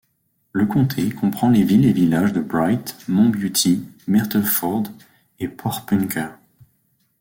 Le comté comprend les villes et villages de Bright, Mont Beauty, Myrtleford et Porepunkah.